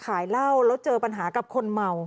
ขายเหล้าแล้วเจอปัญหากับคนเมา